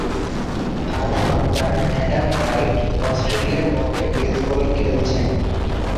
তার সন্তান Adam Bright অস্ট্রেলিয়ার পক্ষে বেসবল খেলছেন।